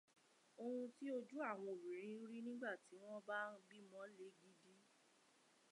Oun tí ojú àwọn obìnrin rí nígbà tí wọ́n bá ń bímọ le gidi.